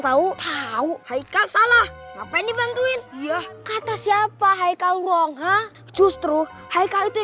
tahu tahu haikal salah ngapain dibantuin kata siapa haikal wrong justru haikal itu